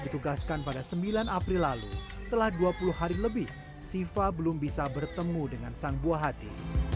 ditugaskan pada sembilan april lalu telah dua puluh hari lebih siva belum bisa bertemu dengan sang buah hati